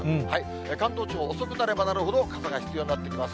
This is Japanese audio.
関東地方、遅くなればなるほど傘が必要になってきます。